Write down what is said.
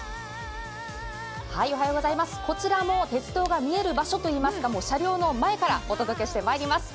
こちらも鉄道が見える場所といいますか車両の前からお伝えしていきます。